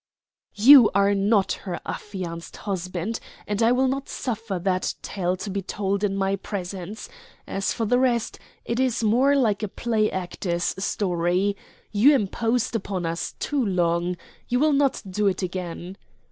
"You are not her affianced husband, and I will not suffer that tale to be told in my presence. As for the rest, it is more like a play actor's story. You imposed upon us too long. You will not do it again."